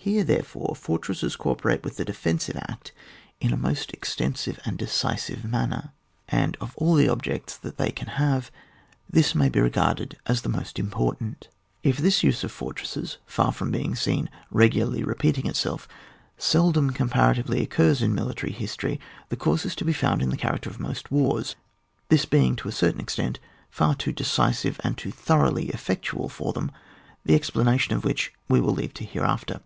Here, therefore, fortresses oo operate with the defensive act in a most ex tensive and decisive manner, and of all the objects that they can have, this may be regarded as the most important. If this use of fortresses — far from being seen regularly repeating itself — seldom comparatively occurs in military history, the cause is to be found in the character of most wars, this means being to a certain extent far too decisive and too thoroughly effectual for them, the ex planation of which we leave till hereafter.